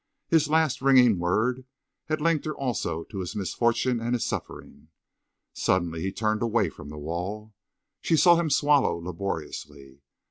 His last ringing word had linked her also to his misfortune and his suffering. Suddenly he turned away from the wall. She saw him swallow laboriously.